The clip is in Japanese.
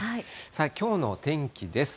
さあ、きょうの天気です。